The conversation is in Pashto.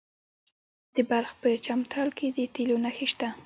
د بلخ په چمتال کې د تیلو نښې شته.